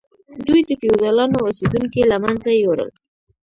دوی د فیوډالانو اوسیدونکي له منځه یوړل.